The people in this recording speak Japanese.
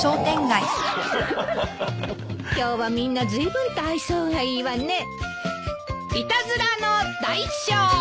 今日はみんなずいぶんと愛想がいいわね。